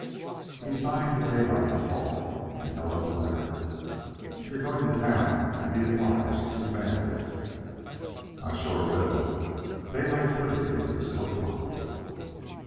He signed to Daylight to halt, and held up a letter. "If you're going to town, I'd be obliged if you mail this." "I sure will." Daylight put it into his coat pocket.